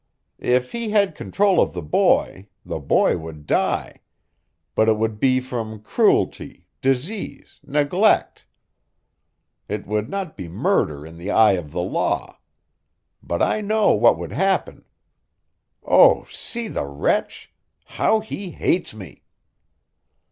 If he had control of the boy, the boy would die; but it would be from cruelty, disease, neglect. It would not be murder in the eye of the law. But I know what would happen. Oh, see the wretch! How he hates me!"